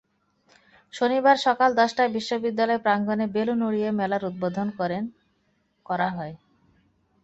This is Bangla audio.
শনিবার সকাল দশটায় বিশ্ববিদ্যালয় প্রাঙ্গণে বেলুন উড়িয়ে মেলার উদ্বোধন করেন করা হয়।